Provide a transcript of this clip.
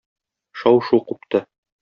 Шау-шу купты.